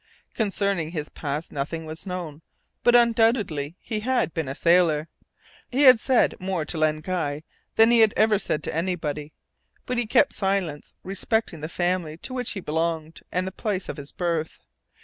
Concerning his past nothing was known, but undoubtedly he had been a sailor. He had said more to Len Guy than he had ever said to anybody; but he kept silence respecting the family to which he belonged, and the place of his birth.